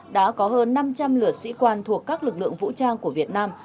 đã có hơn năm trăm linh lượt sĩ quan thuộc các lực lượng vũ trang của việt nam